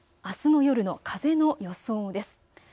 あすの夜の風の予想です。